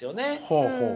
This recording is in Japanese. ほうほう。